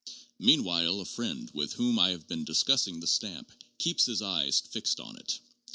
Meanwhile a friend, with whom I have been discussing the stamp, keeps his eyes fixed on it.